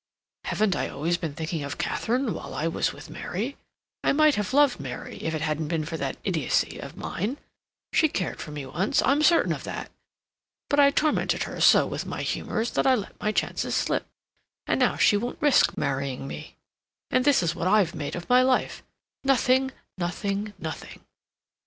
"Haven't I always been thinking of Katharine while I was with Mary? I might have loved Mary if it hadn't been for that idiocy of mine. She cared for me once, I'm certain of that, but I tormented her so with my humors that I let my chances slip, and now she won't risk marrying me. And this is what I've made of my life—nothing, nothing, nothing."